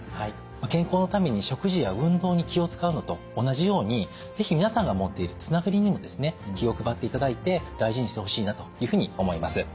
健康のために食事や運動に気を遣うのと同じように是非皆さんが持っているつながりにもですね気を配っていただいて大事にしてほしいなというふうに思います。